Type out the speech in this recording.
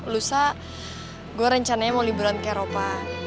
lusa gue rencananya mau liburan ke eropa